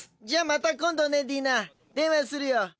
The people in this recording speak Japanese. じゃまた今度ねディナ電話するよ。